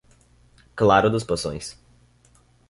Claro dos Poções